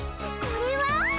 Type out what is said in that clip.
これは？」。